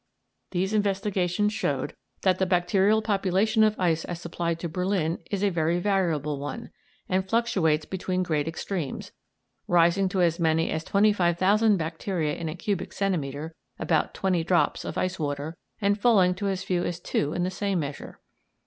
These investigations showed that the bacterial population of ice as supplied to Berlin is a very variable one, and fluctuates between great extremes, rising to as many as 25,000 bacteria in a cubic centimetre (about twenty drops) of ice water, and falling to as few as two in the same measure.